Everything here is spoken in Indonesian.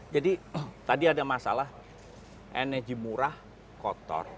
jadi tadi ada masalah energi murah kotor